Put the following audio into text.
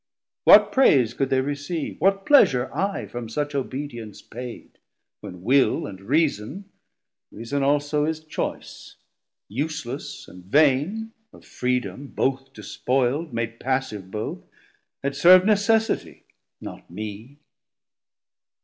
what praise could they receive? What pleasure I from such obedience paid, When Will and Reason (Reason also is choice) Useless and vain, of freedom both despoild, Made passive both, had servd necessitie, 110 Not mee.